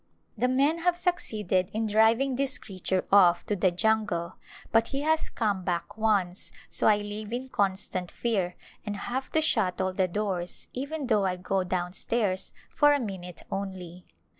The A Glwipse of India men have succeeded in driving this creature off to the jungle but he has come back once, so I live in con stant fear and have to shut all the doors even though I go dovi^n stairs for a minute only.